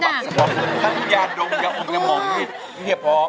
สบักสบอมทั้งยาดดมกับอมกับมองผิดเหี้ยพร้อม